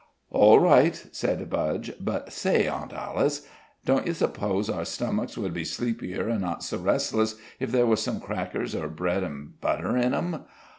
"All right," said Budge. "But say, Aunt Alice, don't you s'pose our stomachs would be sleepier an' not so restless if there was some crackers or bread an' butter in 'em?"